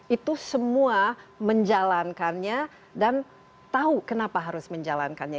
itu semua menjalankannya dan tahu kenapa harus menjalankannya